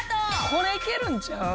これいけるんちゃう？